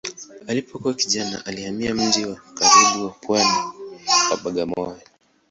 Alipokuwa kijana alihamia mji wa karibu wa pwani wa Bagamoyo.